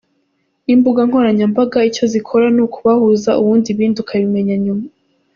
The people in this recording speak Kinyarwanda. N’imbugankoranyambaga icyo zikora n’ukubahuza ubundi ibindi ukabimenya nyuma.